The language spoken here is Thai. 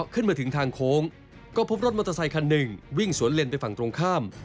ก็พบรถมอเตอร์ไซค์คันหนึ่งวิ่งสวนเลนไปฝั่งตรงข้าม